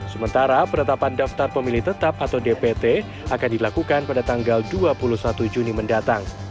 sementara penetapan daftar pemilih tetap atau dpt akan dilakukan pada tanggal dua puluh satu juni mendatang